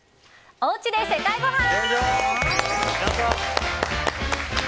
おうちで世界ごはん。